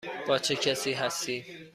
با چه کسی هستی؟